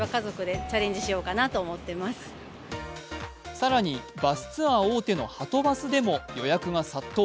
更にバスツアー大手のはとバスでも予約が殺到。